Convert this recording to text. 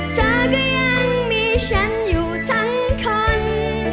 เธอก็ยังมีฉันอยู่ทั้งคน